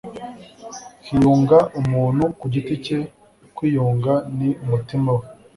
hiyunga umuntu ku giti cye kwiyunga n'mutima wawe